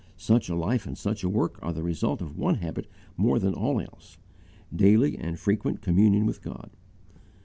Such a life and such a work are the result of one habit more than all else, daily and frequent communion with God.